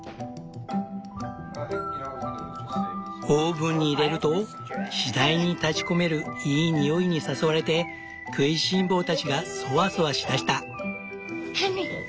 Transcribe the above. オーブンに入れると次第に立ちこめるいい匂いに誘われて食いしん坊たちがソワソワしだした。